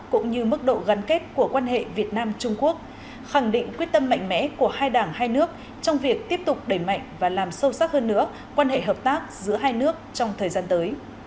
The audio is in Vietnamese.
cũng như mức độ gắn kết của quan hệ việt nam trung quốc khẳng định quyết tâm mạnh mẽ của hai đảng hai nước trong việc tiếp tục đẩy mạnh và làm sâu sắc hơn nữa quan hệ hợp tác giữa hai nước trong thời gian tới